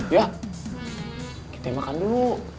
yah kita makan dulu